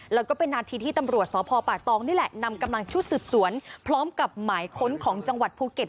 แล้วก็เป็นนาทีที่ตำรวจสพป่าตองนี่แหละนำกำลังชุดสืบสวนพร้อมกับหมายค้นของจังหวัดภูเก็ต